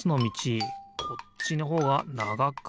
こっちのほうがながくみえるなあ。